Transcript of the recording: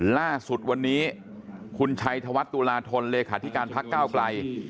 ล่าสุดวันนี้คุณชัยธวัฒน์ตุลาธนเลขาธิการพักก้าวไกล